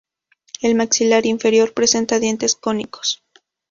El maxilar inferior presenta dientes cónicos.